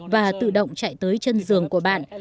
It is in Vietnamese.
và tự động chạy tới chân giường của bạn